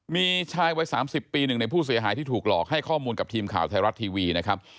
มีชายวัย๓๐ปีหนึ่งในผู้เสียหายที่ถูกหลอกให้ข้อมูลกับทีมข่าวไทยรัฐทีวีนะครับ